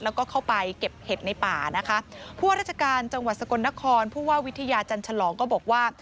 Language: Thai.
แล้วก็เข้าไปเก็บเห็ดในป่านะคะผู้ว่าราชการจังหวัดสกลนครผู้ว่าวิทยาจันฉลองก็บอกว่า